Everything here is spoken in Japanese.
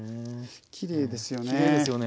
きれいですよね。